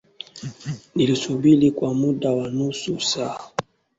Nilisubiri kwa muda wa nusu saa